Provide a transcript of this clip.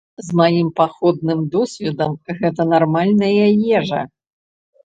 З маім паходным досведам гэта нармальная ежа.